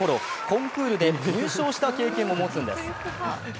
コンクールで入賞した経験も持つんです。